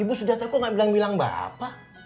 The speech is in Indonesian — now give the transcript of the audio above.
ibu sudah tahu kok gak bilang bilang bapak